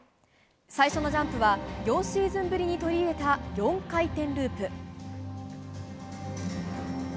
最初のジャンプは４シーズンぶりに取り入れた４回転ループ。